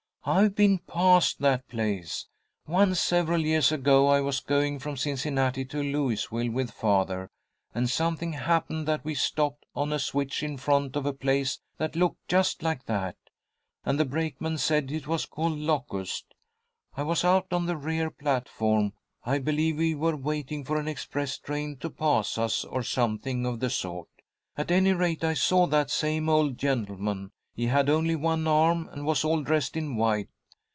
"I've been past that place. Once, several years ago, I was going from Cincinnati to Louisville with father, and something happened that we stopped on a switch in front of a place that looked just like that. And the brakeman said it was called Locust. I was out on the rear platform. I believe we were waiting for an express train to pass us, or something of the sort. At any rate, I saw that same old gentleman, he had only one arm and was all dressed in white.